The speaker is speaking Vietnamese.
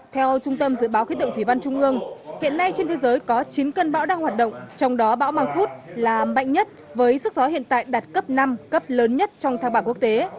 theo trung tâm dự báo khí tượng thủy văn trung ương hiện nay trên thế giới có chín cơn bão đang hoạt động trong đó bão mang khúc là mạnh nhất với sức gió hiện tại đạt cấp năm cấp lớn nhất trong thang bảng quốc tế